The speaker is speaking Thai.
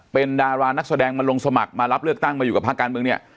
เป็นดารานักแสดงมาลงสมัครมารับเลือกตั้งมาอยู่กับภาคการเมืองเนี่ย